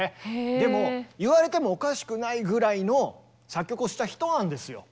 でも言われてもおかしくないぐらいの作曲をした人なんですよ。